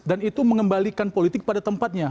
dan itu mengembalikan politik pada tempatnya